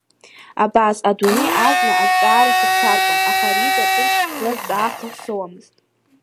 Абас адунеи азна азҵаара сыхҭарклон, аха Риҵа ҭынч лазҵааха соуамызт.